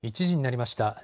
１時になりました。